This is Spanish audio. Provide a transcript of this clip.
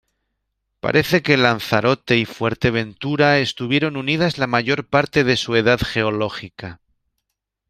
Parece que Lanzarote y Fuerteventura estuvieron unidas la mayor parte de su edad geológica.